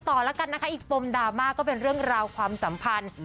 ต่อแล้วกันนะคะอีกปมดราม่าก็เป็นเรื่องราวความสัมพันธ์